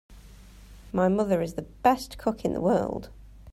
My mother is the best cook in the world!